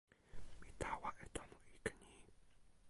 mi tawa e tomo ike ni.